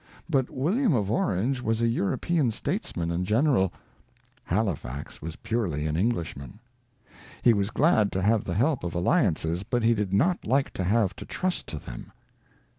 But William of Orange was a European statesman and general ; Halifax was purely an Englishman. He was glad to have the help of alliances, but he did not like to have to trust to them.